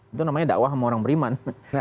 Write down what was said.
itu namanya dakwah sama orang beriman